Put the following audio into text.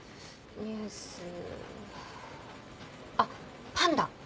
あっパンダ。